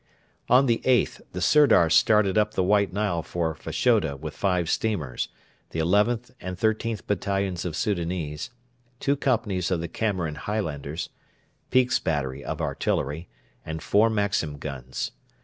On the 8th the Sirdar started up the White Nile for Fashoda with five steamers, the XIth and XIIIth Battalions of Soudanese, two companies of the Cameron Highlanders, Peake's battery of artillery, and four Maxim guns.